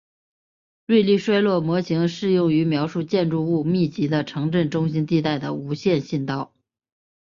瑞利衰落模型适用于描述建筑物密集的城镇中心地带的无线信道。